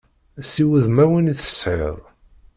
Si wudmawen i tesɛiḍ.